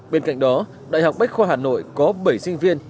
bên cạnh đó đại học bách khoa hà nội có bảy sinh viên